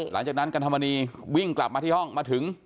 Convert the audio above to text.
หลังจากนั้นกันธรรมนีวิ่งกลับมาที่ห้องมาถึง